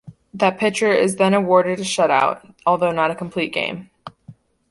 That pitcher is then awarded a shutout, although not a complete game.